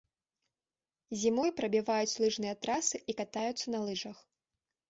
Зімой прабіваюць лыжныя трасы і катаюцца на лыжах.